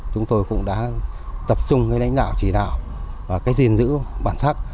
chúng tôi cũng đã tập trung cái lãnh đạo chỉ đạo và cái gìn giữ bản sắc